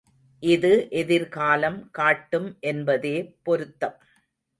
இது எதிர்காலம் காட்டும் என்பதே பொருத்தம்.